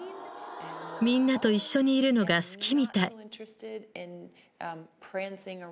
みんなと一緒にいるのが好きみたい。